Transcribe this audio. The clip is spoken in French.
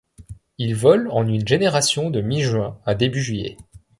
Il vole en une génération de mi-juin à début juillet.